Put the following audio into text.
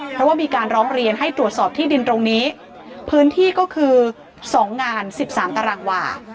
เพราะว่ามีการร้องเรียนให้ตรวจสอบที่ดินตรงนี้พื้นที่ก็คือ๒งาน๑๓ตารางวา